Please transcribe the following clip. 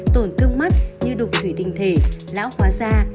tổn thương mắt như đục thủy tinh thể lão hóa da